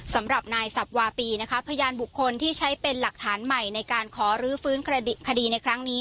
สำหรับนายสับวาปีนะคะพยานบุคคลที่ใช้เป็นหลักฐานใหม่ในการขอรื้อฟื้นคดีในครั้งนี้